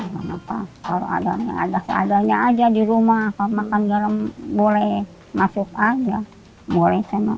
hai apa kalau ada ada ada nya aja di rumah kalau makan dalam boleh masuk aja boleh sama